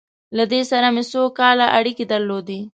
له ده سره مې څو کاله اړیکې درلودې.